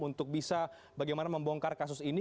untuk bisa bagaimana membongkar kasus ini